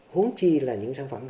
hốn chi là những sản phẩm